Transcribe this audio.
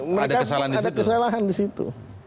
mereka ada kesalahan di situ